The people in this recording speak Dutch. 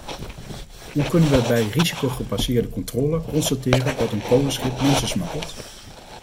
Hoe kunnen we bij risicogebaseerde controle constateren dat een kolenschip mensen smokkelt?